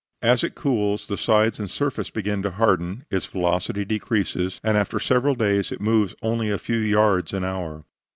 As it cools, the sides and surface begin to harden, its velocity decreases, and after several days it moves only a few yards an hour.